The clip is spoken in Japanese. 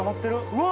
うわ！